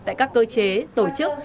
tại các cơ chế tổ chức